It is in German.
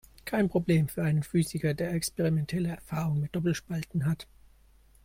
Kein Problem für einen Physiker, der experimentelle Erfahrung mit Doppelspalten hat.